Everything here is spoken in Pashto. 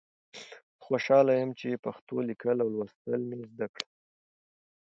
زه خوشحاله یم چې پښتو لیکل او لوستل مې زده کړل.